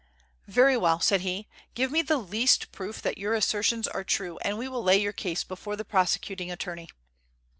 "Very well," said he, "give me the least proof that your assertions are true, and we will lay your case before the prosecuting attorney."